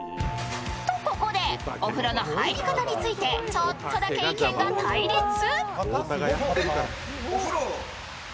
とここで、お風呂の入り方についてちょっとだけ意見が対立。